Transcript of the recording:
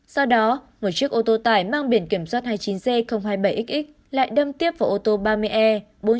sau đó một chiếc ô tô tải mang biển kiểm soát hai mươi chín g hai mươi bảy xx lại đâm tiếp vào ô tô ba mươi e bốn trăm chín mươi một xx